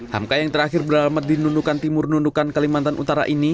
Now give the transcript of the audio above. hamka yang terakhir beralamat di nundukan timur nunukan kalimantan utara ini